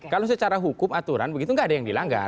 kalau secara hukum aturan begitu nggak ada yang dilanggar